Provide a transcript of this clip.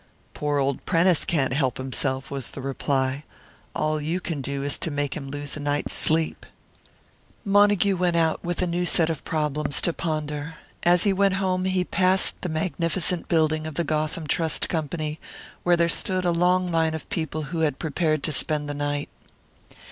"Poor old Prentice can't help himself," was the reply. "All you can do is to make him lose a night's sleep." Montague went out, with a new set of problems to ponder. As he went home, he passed the magnificent building of the Gotham Trust Company, where there stood a long line of people who had prepared to spend the night.